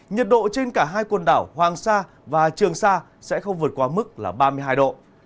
nhiệt độ trên cả hai quần đảo hoàng sa và trường sa sẽ không vượt qua mức là ba mươi hai độ